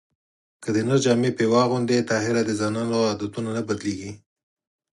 که د نر جامې پرې واغوندې طاهره د زنانو عادتونه نه بدلېږي